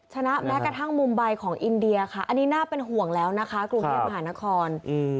ชนะแม้กระทั่งมุมใบของอินเดียค่ะอันนี้น่าเป็นห่วงแล้วนะคะกรุงเทพมหานคร